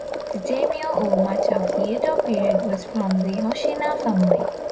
The daimyo over much of the Edo period was from the Hoshina family.